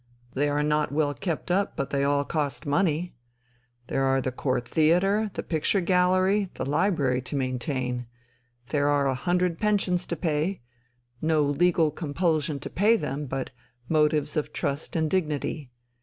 They are not well kept up, but they all cost money.... There are the Court Theatre, the Picture Gallery, the Library, to maintain. There are a hundred pensions to pay, no legal compulsion to pay them, but motives of trust and dignity.